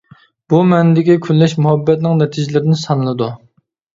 بۇ مەنىدىكى كۈنلەش مۇھەببەتنىڭ نەتىجىلىرىدىن سانىلىدۇ.